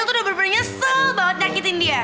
aku tuh udah bener bener nyesel banget nakitin dia